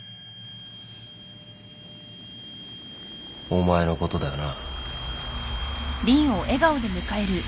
お前のことだよな？